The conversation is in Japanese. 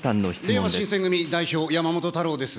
れいわ新選組代表、山本太郎です。